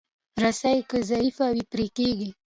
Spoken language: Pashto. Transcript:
رسۍ که ضعیفه وي، پرې کېږي.